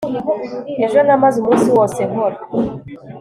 ejo namaze umunsi wose nkora